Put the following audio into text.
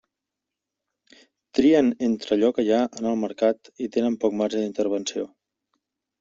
Trien entre allò que hi ha en el mercat i tenen poc marge d'intervenció.